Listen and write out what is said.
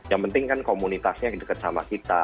yang penting kan komunitasnya dekat sama kita